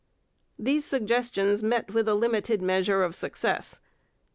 These suggestions met with a limited measure of success.